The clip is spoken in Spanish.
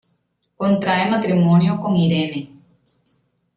Contrae matrimonio con Irene.